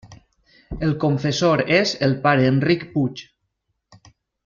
El confessor és el Pare Enric Puig.